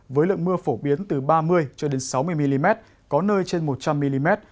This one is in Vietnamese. với lượng mưa phổ biến từ ba mươi cho đến sáu mươi mm có nơi trên một trăm linh mm